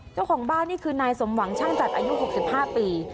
เจ้าของบ้านนี่คือนายสมหวังช่างจัดอายุ๖๕ปี